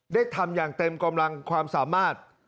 ได้ทำอย่างเต็มกำลังความสามารถ